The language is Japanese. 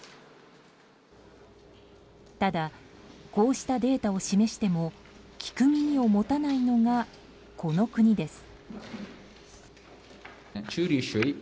ただ、こうしたデータを示しても聞く耳を持たないのがこの国です。